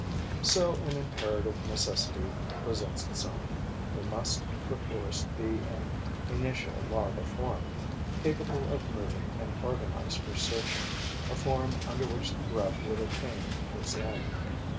So an imperative necessity presents itself: there must perforce be an initial larva form, capable of moving and organized for searching, a form under which the grub would attain its end.